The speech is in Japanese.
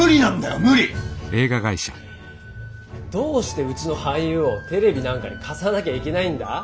どうしてうちの俳優をテレビなんかに貸さなきゃいけないんだ？